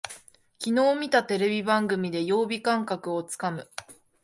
きのう見たテレビ番組で曜日感覚をつかむ